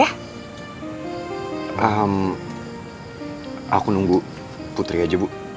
tunggu putri aja bu